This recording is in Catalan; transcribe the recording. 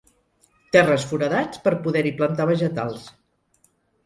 Terres foradats per poder-hi plantar vegetals.